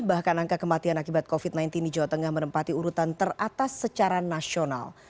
bahkan angka kematian akibat covid sembilan belas di jawa tengah menempati urutan teratas secara nasional